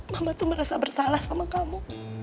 mama tuh merasa bersalah sama kamu